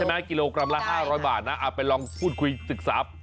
ใช่ไหมกิโลกรัมละ๕๐๐บาทไปลองพูดคุยซึกศัพท์